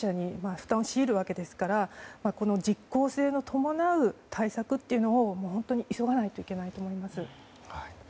負担を強いるわけですから実効性を伴う対策を本当に急がないといけないと思います。